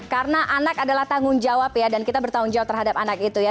karena anak adalah tanggung jawab ya dan kita bertanggung jawab terhadap anak itu ya